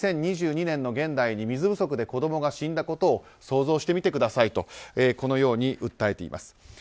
２０２２年の現代に水不足で子供が死んだことを想像してみてくださいとこのように訴えています。